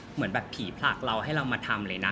เหมือนแบบผีผลักเราให้เรามาทำเลยนะ